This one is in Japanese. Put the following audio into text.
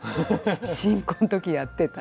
新婚の時にやってた。